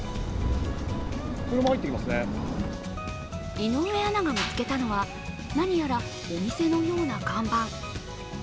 井上アナが見つけたのは、何やらお店のような看板。